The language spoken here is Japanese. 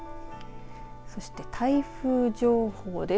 そして台風情報です。